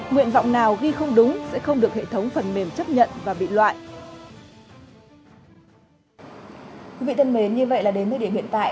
nguyện vọng nào ghi không đúng sẽ không được hệ thống phần mềm chấp nhận và bị loại